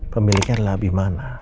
pemiliknya adalah abie mana